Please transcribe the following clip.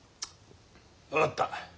分かった。